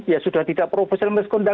ya sudah tidak profesional miskondak